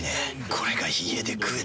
これが家で食えたなら。